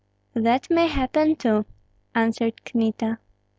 "That may happen too," answered Kmita.